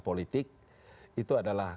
politik itu adalah